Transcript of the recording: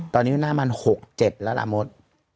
ตอนนี้นานามัน๖๗ล้าระมด